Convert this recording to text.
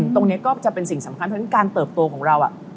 ตรงนี้ก็จะเป็นสิ่งสำคัญเพราะฉะนั้นการเติบโตของเรา